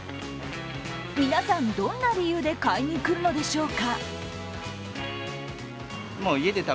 皆さん、どんな理由で買いにくるのでしょうか。